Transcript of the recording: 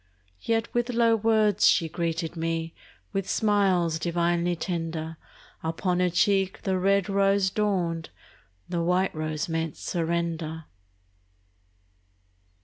Yet with low words she greeted me, With smiles divinely tender; Upon her cheek the red rose dawned, The white rose meant surrender.